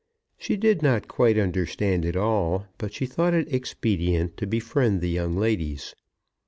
She did not quite understand it all, but she thought it expedient to befriend the young ladies.